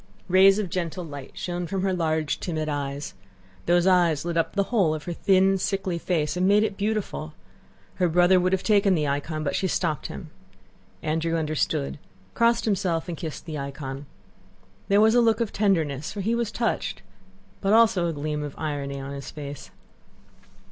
Rays of gentle light shone from her large, timid eyes. Those eyes lit up the whole of her thin, sickly face and made it beautiful. Her brother would have taken the icon, but she stopped him. Andrew understood, crossed himself and kissed the icon. There was a look of tenderness, for he was touched, but also a gleam of irony on his face.